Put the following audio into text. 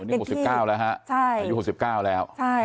นี่๖๙แล้วฮะอายุ๖๙แล้ว